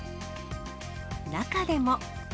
中でも。